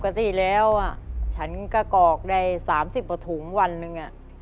ปกติแล้วฉันก็กรอกได้๓๐กว่าถุงวันหนึ่ง